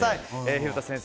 廣田先生